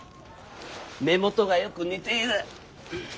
目元がよく似ている。